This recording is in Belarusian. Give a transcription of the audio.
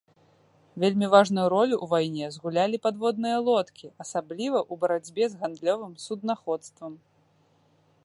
Вельмі важную ролю ў вайне згулялі падводныя лодкі, асабліва ў барацьбе з гандлёвым суднаходствам.